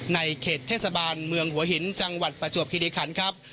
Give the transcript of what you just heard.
ในเขตเทศบาลเมืองหัวหินจังหวัดประจวบคิริคันครับ